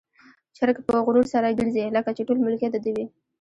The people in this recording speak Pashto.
چرګ په غرور سره ګرځي، لکه چې ټول ملکيت د ده وي.